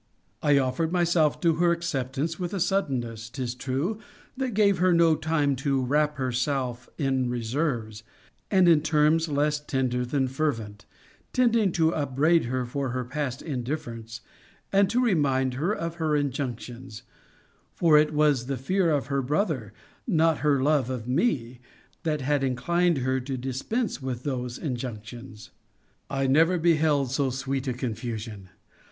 I offered myself to her acceptance, with a suddenness, 'tis true, that gave her no time to wrap herself in reserves; and in terms less tender than fervent, tending to upbraid her for her past indifference, and to remind her of her injunctions: for it was the fear of her brother, not her love of me, that had inclined her to dispense with those injunctions. I never beheld so sweet a confusion.